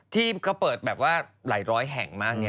ที่ก็เปิดแบบว่าหลายร้อยแห่งมาก